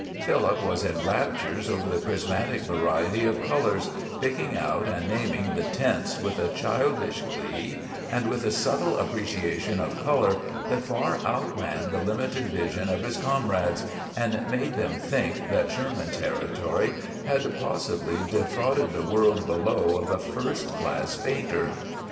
Philip was in raptures over the prismatic variety of colors, picking out and naming the tints with a childish glee and with a subtle appreciation of color that far outran the limited vision of his comrades, and made them think that Sherman Territory had possibly defrauded the world below of a first rate painter.